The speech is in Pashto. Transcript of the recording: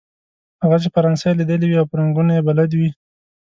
هغه چې فرانسه یې ليدلې وي او په رنګونو يې بلد وي.